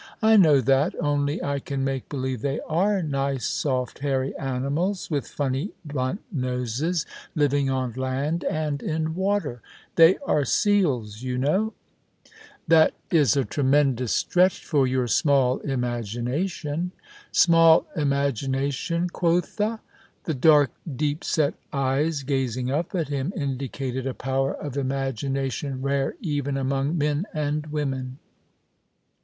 " I know that, only I can make believe they are nice soft hau y animals, with funny blunt noses, living on land and in water. They are seals, you know." The Christmas Hirelings. 191 " That is a tremeudous stretch for your small imagina tion." Small imagiuatiuu, quotha ! The dark, deep set eyes gazing up at him indicated a power of imagination rare even amono men and women.